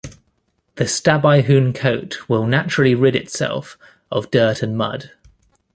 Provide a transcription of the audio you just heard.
The Stabyhoun coat will naturally rid itself of dirt and mud.